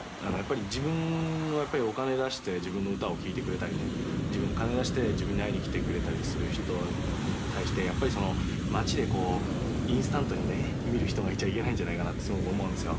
「自分はやっぱりお金出して自分の歌を聴いてくれたりね金出して自分に会いに来てくれたりする人に対してやっぱり街でこうインスタントにね見る人がいちゃいけないんじゃないかなってすごく思うんですよ」